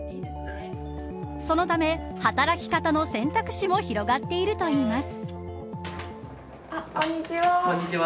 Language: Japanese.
そのため、働き方の選択肢も広がっているといいます。